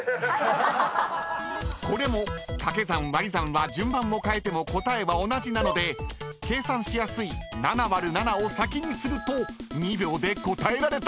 ［これも掛け算割り算は順番を変えても答えは同じなので計算しやすい７÷７を先にすると２秒で答えられたかも］